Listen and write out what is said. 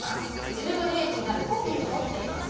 自分の利益になるコピーを取っています。